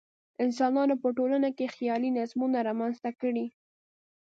انسانانو په ټولنو کې خیالي نظمونه رامنځته کړي.